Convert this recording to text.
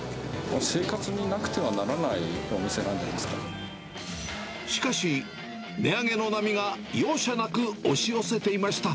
生活になくてはならないお店しかし、値上げの波が容赦なく押し寄せていました。